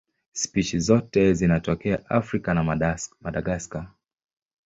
Spishi zote zinatokea Afrika na Madagaska.